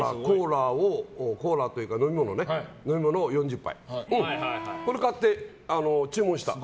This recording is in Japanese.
コーラというか飲み物を４０杯これを買って、注文したの。